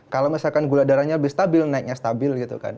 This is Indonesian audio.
kalau misalkan gula darahnya lebih stabil naiknya stabil gitu kan